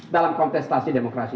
dalam kontestasi demokrasi